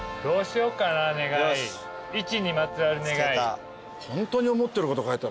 「１」にまつわる願い。